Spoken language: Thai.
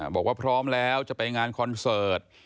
บอกว่าพร้อมแล้วจะไปงานคอนเสิร์ต